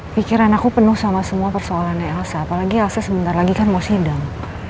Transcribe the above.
pikiran aku penuh sama semua persoalan elsa apalagi elsa sebentar lagi kan mau sidang